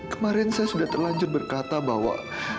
kemarin saya sudah terlanjur berkata bahwa